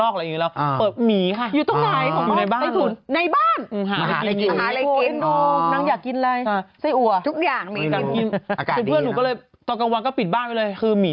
คือชะเลิภรรรของคุณเนี้ย